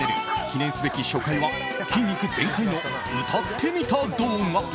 記念すべき初回は筋肉全開の歌ってみた動画。